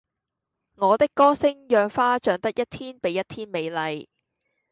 我的歌聲讓花長得一天比一天美麗